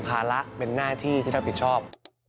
ภาระเป็นหน้าที่ที่รับผิดชอบ